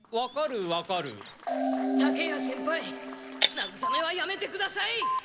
なぐさめはやめてください！